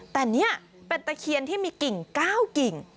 แต่นี่เป็นตะเคียนที่มีกิ่ง๙กิ่ง